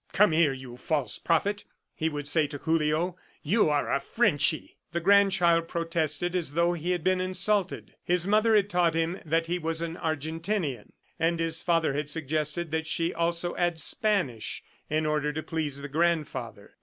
"Come here, you false prophet," he would say to Julio. "You are a Frenchy." The grandchild protested as though he had been insulted. His mother had taught him that he was an Argentinian, and his father had suggested that she also add Spanish, in order to please the grandfather.